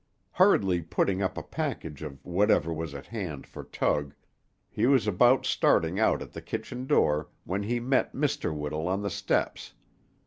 Hurriedly putting up a package of whatever was at hand for Tug, he was about starting out at the kitchen door when he met Mr. Whittle on the steps.